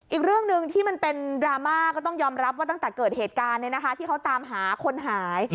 อีกเรื่องหนึ่งที่มันเป็นดราม่าก็ต้องยอมรับว่าตั้งแต่เกิดเหตุการณ์ที่เขาตามหาคนหาย